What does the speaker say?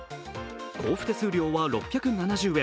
交付手数料は６７０円。